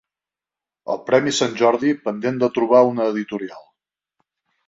El premi Sant Jordi pendent de trobar una editorial